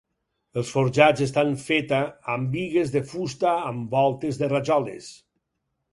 Els forjats estan feta amb bigues de fusta amb voltes de rajoles.